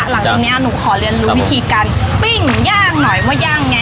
หลังจากนี้หนูขอเรียนรู้วิธีการปิ้งย่างหน่อยว่าย่างไง